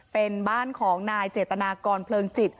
เป็นบ้านของนายเจตนากรเพลิงจิต